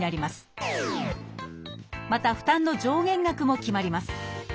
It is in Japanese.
また負担の上限額も決まります。